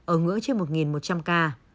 ở ngưỡng trên một một trăm linh ca